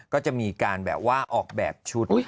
ก็จะมีการแบบว่าออกแบบชุด